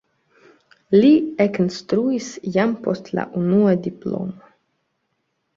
Li ekinstruis jam post la unua diplomo.